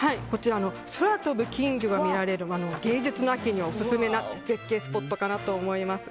空飛ぶ金魚が見られる芸術の秋にはオススメな絶景スポットかなと思います。